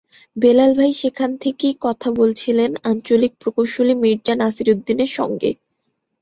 বেলাল ভাই সেখান থেকেই কথা বলেছিলেন আঞ্চলিক প্রকৌশলী মীর্জা নাসিরুদ্দিনের সঙ্গে।